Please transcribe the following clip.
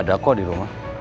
ada kok di rumah